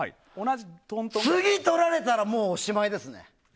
次取られたらもうおしまいですね。